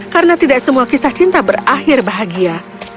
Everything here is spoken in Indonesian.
karena tidak semua kisah cinta berakhir bahagia